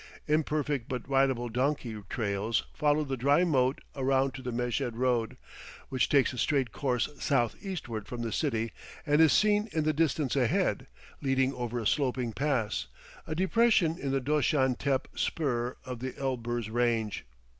Imperfect but ridable donkey trails follow the dry moat around to the Meshed road, which takes a straight course southeastward from the city and is seen in the distance ahead, leading over a sloping pass, a depression in the Doshan Tepe spur of the Elburz range.